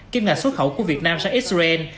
kiếm ngạc xuất khẩu của việt nam sang israel